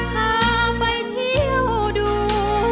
พาไปเที่ยวดู